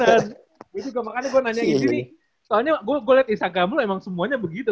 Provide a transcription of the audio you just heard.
jadi gue makanya gue nanya gini nih soalnya gue liat instagram lo emang semuanya begitu